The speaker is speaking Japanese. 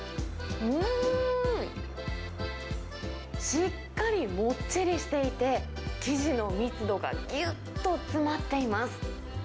しっかりもっちりしていて、生地の密度がぎゅっと詰まっています。